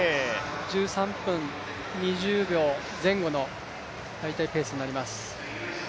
１３分２０秒前後の大体ペースになります。